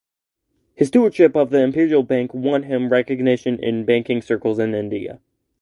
His stewardship of the Imperial Bank won him recognition in banking circles in India.